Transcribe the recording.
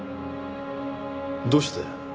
どうして？